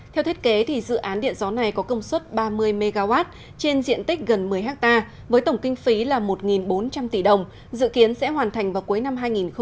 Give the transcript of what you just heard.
theo thiết kế dự án điện gió này có công suất ba mươi mw trên diện tích gần một mươi hectare với tổng kinh phí là một bốn trăm linh tỷ đồng dự kiến sẽ hoàn thành vào cuối năm hai nghìn hai mươi